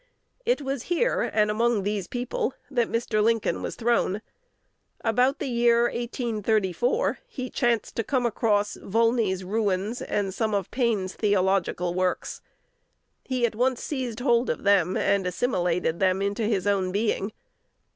It was here, and among these people, that Mr. Lincoln was thrown. About the year 1834, he chanced to come across Volney's "Ruins," and some of Paine's theological works. He at once seized hold of them, and assimilated them into his own being.